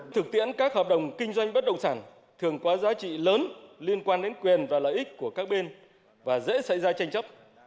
thực tiễn các hợp đồng kinh doanh bất động sản thường có giá trị lớn liên quan đến quyền và lợi ích của các bên và dễ xảy ra tranh chấp